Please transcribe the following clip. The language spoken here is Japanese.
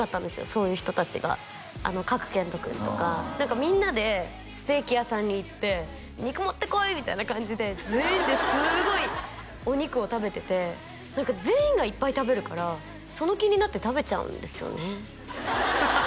そういう人達が賀来賢人君とか何かみんなでステーキ屋さんに行って「肉持ってこい！」みたいな感じで全員ですごいお肉を食べてて何か全員がいっぱい食べるからその気になって食べちゃうんですよね